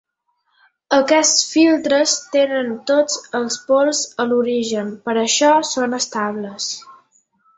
Aquests filtres tenen tots els pols a l'origen, per això són estables.